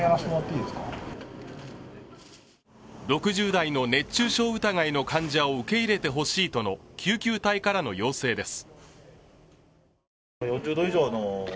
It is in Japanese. ６０代の熱中症疑いの患者を受け入れてほしいとの救急隊からの要請です。